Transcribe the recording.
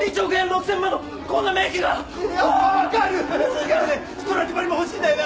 それからねストラディバリも欲しいんだよね！